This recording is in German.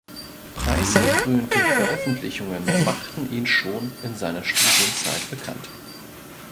Preisgekrönte Veröffentlichungen machten ihn schon in seiner Studienzeit bekannt.